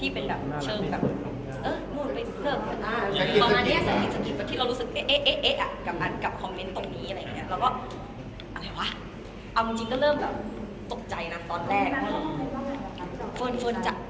เป็นไม่กว่านะคะประมาน๒๓คอมเม้นต์แปะแปรด